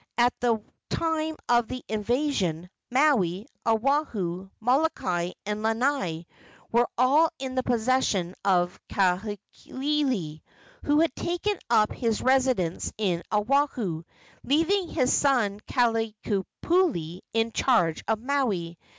At the time of the invasion, Maui, Oahu, Molokai and Lanai were all in the possession of Kahekili, who had taken up his residence in Oahu, leaving his son Kalanikupule in charge of Maui.